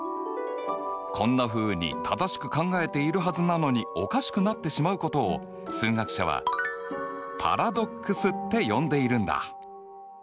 こんなふうに正しく考えているはずなのにおかしくなってしまうことを数学者はパラドックスって呼んでいるんだ。